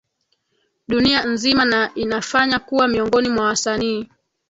Dunia nzima na inafanya kuwa miongoni mwa wasanii